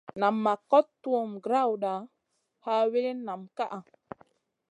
Nam kot tuhm grawda, ha wilin nam ka.